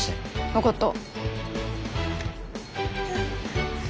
分かった。